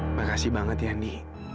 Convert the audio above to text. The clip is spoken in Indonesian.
indy makasih banget ya nih